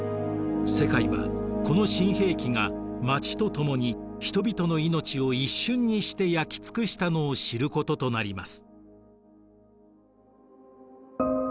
世界はこの新兵器が街とともに人々の命を一瞬にして焼き尽くしたのを知ることとなります。